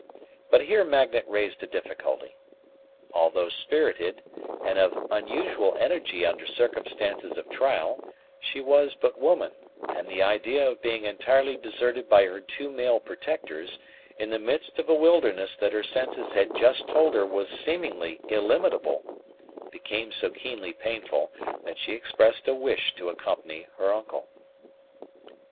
But here Magnet raised a difficulty. Although spirited, and of unusual energy under circumstances of trial, she was but woman; and the idea of being entirely deserted by her two male protectors, in the midst of a wilderness that her senses had just told her was seemingly illimitable, became so keenly painful, that she expressed a wish to accompany her uncle.